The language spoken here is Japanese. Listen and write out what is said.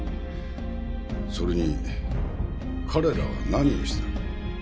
それに彼らが何をした？